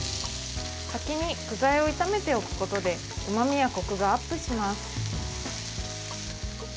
先に具材を炒めておくことでうまみやこくがアップします。